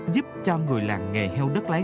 giúp cho người làng nghề heo đất lái cá